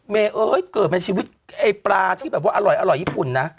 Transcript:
เมธเอิดเกิดบนชีวิตในปลาอร่อยญี่ปุ่นน่ะ